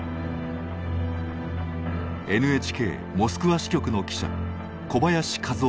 ＮＨＫモスクワ支局の記者小林和男さんです。